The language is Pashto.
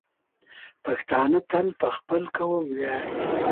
پښتانه تل په خپل قوم ویاړي.